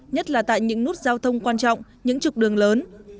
nhất là tại những nút giao thông quan trọng những trục đường lớn